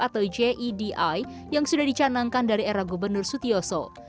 atau jedi yang sudah dicanangkan dari era gubernur sutioso